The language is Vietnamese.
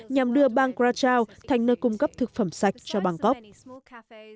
nhằm đưa bang kwa chau thành nơi cung cấp thực phẩm sạch cho bangkok